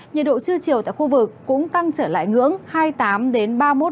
nhiệt độ trưa chiều tại khu vực cũng tăng trở lại ngưỡng hai mươi tám ba mươi một độ